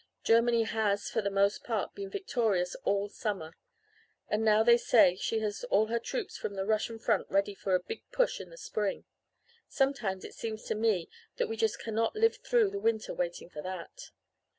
Germany has, for the most part, been victorious all summer. And now they say she has all her troops from the Russian front ready for a 'big push' in the spring. Sometimes it seems to me that we just cannot live through the winter waiting for that.